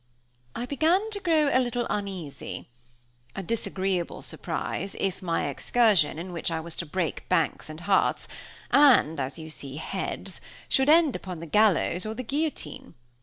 I began to grow a little uneasy. A disagreeable surprise, if my excursion, in which I was to break banks and hearts, and, as you see, heads, should end upon the gallows or the guillotine.